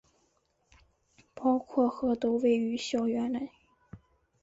包括和都位于校园内。